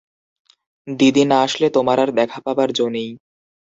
দিদি না আসলে তোমার আর দেখা পাবার জো নেই।